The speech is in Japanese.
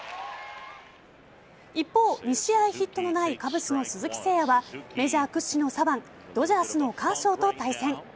一方、２試合ヒットのないカブスの鈴木誠也はメジャー屈指の左腕ドジャースのカーショーと対戦。